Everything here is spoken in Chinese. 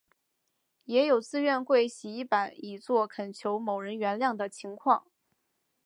也有自愿跪洗衣板以作恳求某人原谅的情况。